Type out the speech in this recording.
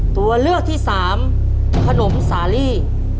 ตัวเลือกที่สามขนมสาลี